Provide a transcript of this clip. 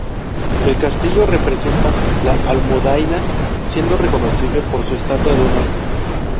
El castillo representa la Almudaina, siendo reconocible por su estatua de un ángel.